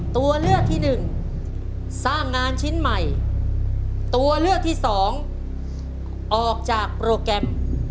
ตัวเลือกที่หนึ่งสร้างงานชิ้นใหม่ตัวเลือกที่สองออกจากโปรแกรม